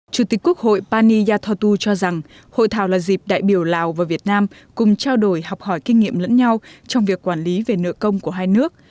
chủ tịch quốc hội pani yathotu cho rằng hội thảo là dịp đại biểu lào và việt nam cùng trao đổi học hỏi kinh nghiệm lẫn nhau trong việc quản lý về nợ công của hai nước